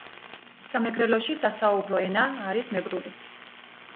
სამეგრელოში სასაუბრო ენა არის მეგრული.